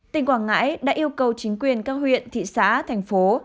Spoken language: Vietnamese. tỉnh quảng ngãi đã yêu cầu chính quyền các huyện thị xã thành phố